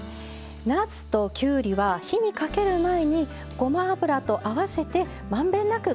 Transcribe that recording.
なすときゅうりは火にかける前にごま油と合わせて満遍なく絡めておきます。